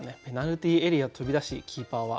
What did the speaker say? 「ペナルティーエリア飛び出しＧＫは」